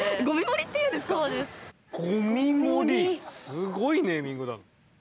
すごいネーミングだ。